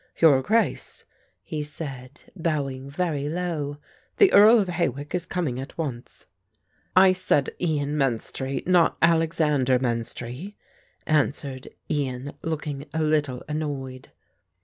"Your Grace," he said, bowing very low, "the Earl of Hawick is coming at once." "I said Ian Menstrie, not Alexander Menstrie," answered Ian, looking a little annoyed.